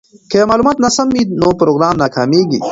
که معلومات ناسم وي نو پروګرام ناکامیږي.